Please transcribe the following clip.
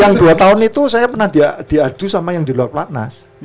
yang dua tahun itu saya pernah di adu sama yang di luar platnas